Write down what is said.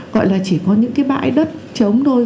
gọi là chỉ có những cái bãi đất trống thôi